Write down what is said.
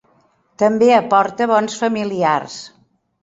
També aporta bons familiars.